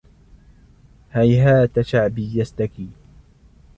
هيهات شعبي يستكين